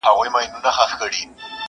زېری مو راباندي ریشتیا سوي مي خوبونه دي!.